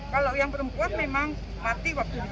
kalau yang perempuan memang mati waktu di jawa barat